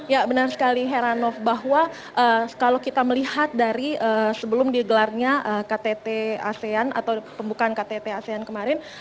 ya benar sekali heranov bahwa kalau kita melihat dari sebelum digelarnya ktt asean atau pembukaan ktt asean kemarin